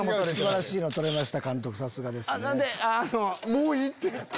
もういいって！